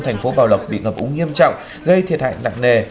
thành phố bảo lộc bị ngập úng nghiêm trọng gây thiệt hại nặng nề